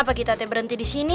wak kenapa kita berhenti di sini